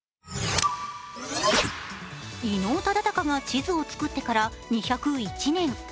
伊能忠敬が地図を作ってから２０１年。